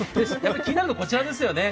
気になるのは、こちらですよね。